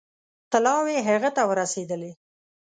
طلاوې هغه ته ورسېدلې.